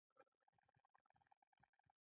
د بادام ګل د قبضیت لپاره وکاروئ